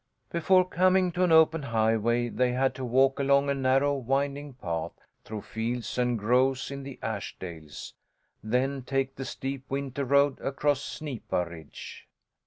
Before coming to an open highway, they had to walk along a narrow winding path, through fields and groves in the Ashdales, then take the steep winter road across Snipa Ridge.